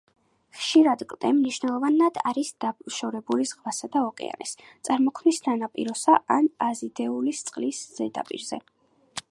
ხშირად კლდე მნიშვნელოვნად არის დაშორებული ზღვასა და ოკეანეს; წარმოქმნის სანაპიროს, ან აზიდულია წყლის ზედაპირზე.